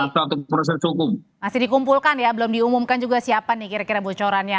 jadi masih dikumpulkan ya belum diumumkan juga siapa nih kira kira bocorannya